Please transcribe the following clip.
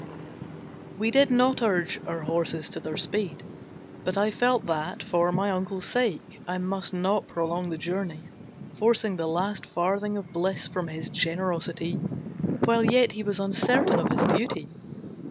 We did not urge our horses to their speed, but I felt that, for my uncle's sake, I must not prolong the journey, forcing the last farthing of bliss from his generosity, while yet he was uncertain of his duty.